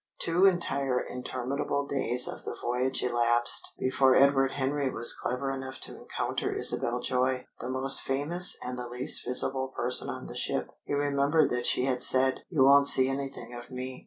Two entire interminable days of the voyage elapsed before Edward Henry was clever enough to encounter Isabel Joy the most famous and the least visible person on the ship. He remembered that she had said: "You won't see anything of me."